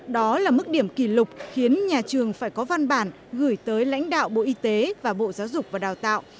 đó là mức điểm kỷ lục khiến nhà trường phải có văn bản gửi tới lãnh đạo bộ y tế và bộ giáo dục và đào tạo